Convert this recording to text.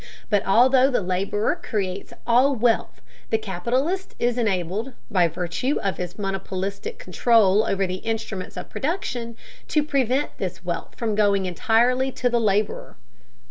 But although the laborer creates all wealth, the capitalist is enabled, by virtue of his monopolistic control over the instruments of production, to prevent this wealth from going entirely to the laborer.